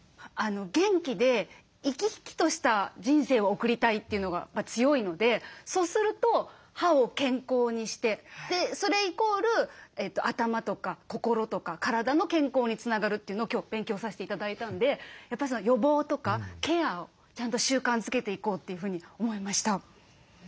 元気で生き生きとした人生を送りたいというのが強いのでそうすると歯を健康にしてそれイコール頭とか心とか体の健康につながるというのを今日勉強させて頂いたのでやっぱり予防とかケアをちゃんと習慣づけていこうというふうに思いました。